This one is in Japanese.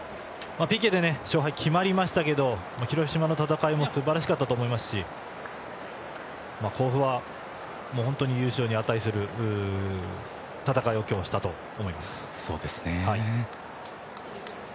ＰＫで勝敗が決まりましたけど広島の戦いもすばらしかったと思いますし甲府は本当に優勝に値する戦いを今日はしたと思います。